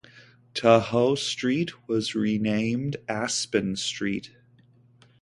Tahoe Street was renamed Aspen Street.